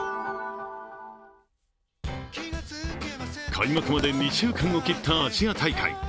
開幕まで２週間を切ったアジア大会。